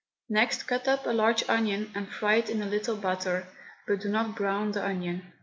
Next cut up a large onion and fry it in a little butter, but do not brown the onion.